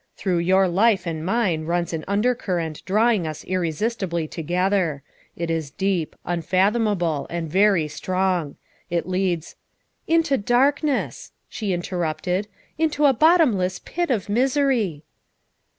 Through your life and mine runs an undercurrent drawing us irresistibly together. It is deep, unfathomable, and very strong. It leads " Into darkness," she interrupted, " into a bottomless pit of misery."